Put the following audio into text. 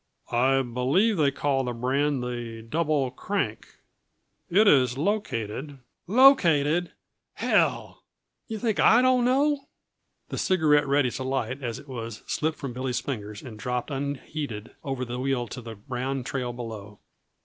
"I believe they call the brand the Double Crank. It is located " "Located hell! do yuh think I don't know?" The cigarette, ready to light as it was, slipped from Billy's fingers and dropped unheeded over the wheel to the brown trail below.